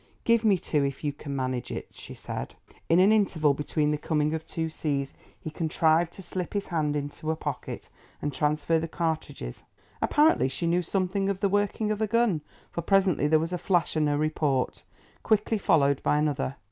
"Give me two, if you can manage it," she said. In an interval between the coming of two seas he contrived to slip his hand into a pocket and transfer the cartridges. Apparently she knew something of the working of a gun, for presently there was a flash and a report, quickly followed by another.